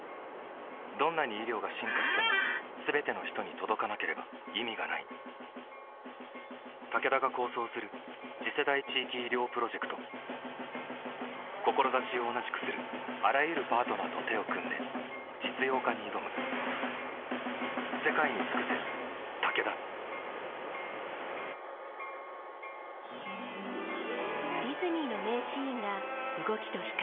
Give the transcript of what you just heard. どんなに医療が進化しても全ての人に届かなければ意味がないタケダが構想する次世代地域医療プロジェクト志を同じくするあらゆるパートナーと手を組んで実用化に挑むいくつになっても新しくなれるんだ